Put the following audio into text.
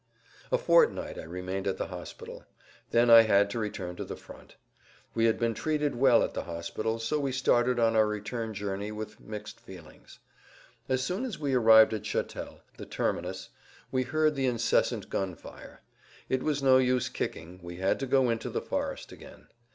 A fortnight I remained at the hospital; then I had to return to the front. We had been treated well at the hospital, so we started on our return journey with mixed feelings. As soon as we arrived at Chatel, the terminus, we heard the incessant gun fire. It was no use kicking, we had to go into the forest again.